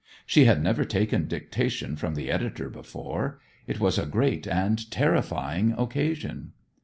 She had never taken dictation from the editor before. It was a great and terrifying occasion.